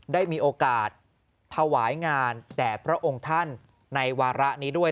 ได้มีโอกาสถวายงานแด่พระองค์ท่านในวาระนี้ด้วย